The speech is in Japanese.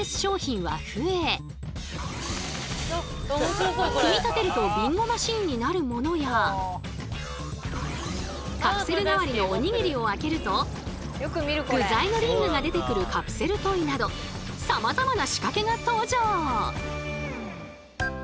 この組み立てるとビンゴマシーンになるものやカプセル代わりのおにぎりを開けると具材のリングが出てくるカプセルトイなどさまざまな仕掛けが登場！